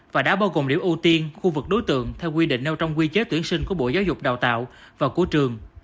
và đã bao gồm điểm ưu tiên khu vực đối tượng theo quy định nêu trong quy chế tuyển sinh của bộ giáo dục đào tạo và của trường